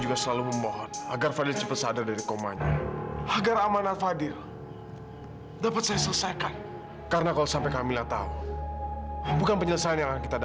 gak semus dengan apa yang saya bayangkan